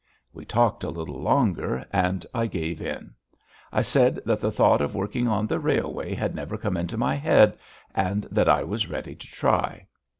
We talked a little longer and I gave in. I said that the thought of working on the railway had never come into my head, and that I was ready to try.